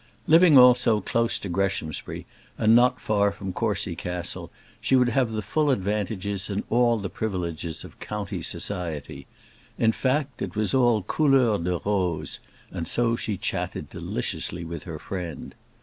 Living also close to Greshamsbury, and not far from Courcy Castle, she would have the full advantages and all the privileges of county society. In fact, it was all couleur de rose, and so she chatted deliciously with her friend.